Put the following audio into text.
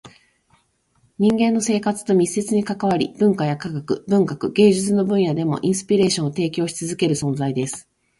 人間の生活と密接に関わり、文化や科学、文学、芸術の分野でもインスピレーションを提供し続ける存在です。